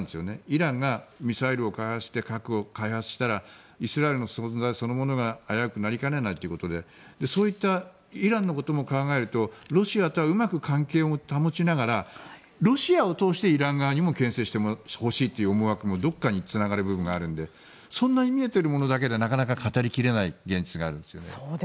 イランがミサイルを開発して核を開発したらイスラエルの存在そのものが危うくなりかねないということでそういったイランのことも考えるとロシアとはうまく関係を保ちながらロシアを通してイラン側にもけん制してほしいという思惑もどこかにつながる部分もあるのでそんなに見えているところだけではなかなか語り切れない現実があるんですよね。